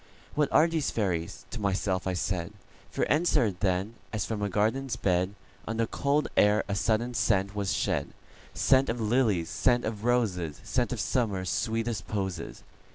"What are these fairies?" to myself I said; For answer, then, as from a garden's bed, On the cold air a sudden scent was shed,—Scent of lilies, scent of roses, Scent of Summer's sweetest posies.